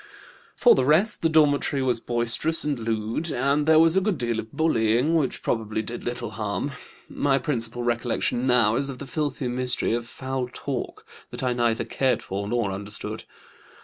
"For the rest the dormitory was boisterous and lewd, and there was a good deal of bullying, which probably did little harm. My principal recollection now is of the filthy mystery of foul talk, that I neither cared for nor understood.